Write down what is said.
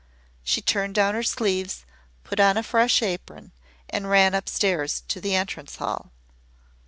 She turned down her sleeves, put on a fresh apron, and ran up stairs to the entrance hall.